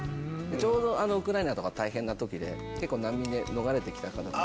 ちょうどウクライナとか大変な時で難民で逃れてきた方とか。